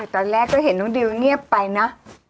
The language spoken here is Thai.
ตอนแรกก็เห็นนายเดี๋วเงี๊ยบไปนะ